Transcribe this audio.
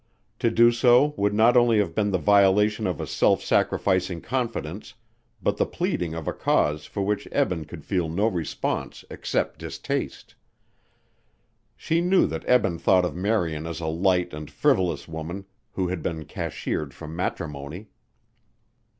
To do so would not only have been the violation of a self sacrificing confidence but the pleading of a cause for which Eben could feel no response except distaste. She knew that Eben thought of Marian as a light and frivolous woman who had been cashiered from matrimony.